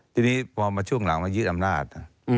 ทีนี้พอมาช่วงหลังมายึดอำนาจ